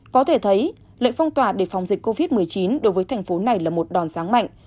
có thể thấy lệnh phong tỏa để phòng dịch covid một mươi chín đối với thành phố này là một đòn ráng mạnh